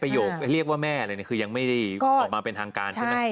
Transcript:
เพราะฉะนั้นประโยคเรียกว่าแม่คือยังไม่ได้ออกมาเป็นทางการใช่ไหม